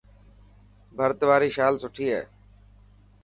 ڀرت واري شال سٺي هي.